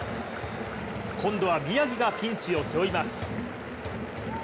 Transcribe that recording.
今度は宮城がピンチを背負います。